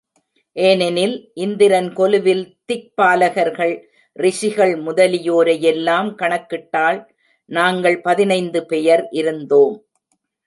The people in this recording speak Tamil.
ஏனெனில், இந்திரன் கொலுவில் திக்பாலர்கள், ரிஷிகள் முதலியோரை யெல்லாம் கணக்கிட்டால் நாங்கள் பதினைந்து பெயர் இருந்தோம்.